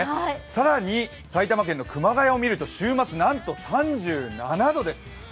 更に、埼玉県の熊谷を見ると、週末、なんと３７度です。